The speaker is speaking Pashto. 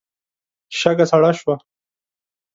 شګه سړه شوه.